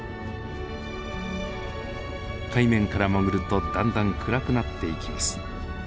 海面から潜るとだんだん暗くなっていきます。